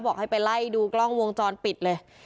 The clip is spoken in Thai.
บอกให้ไปไล่ดูกล้องวงจรปิดเลย